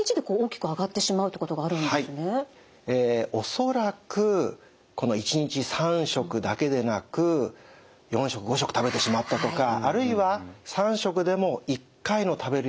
恐らくこの１日３食だけでなく４食５食食べてしまったとかあるいは３食でも１回の食べる量がとても多かった。